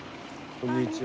こんにちは。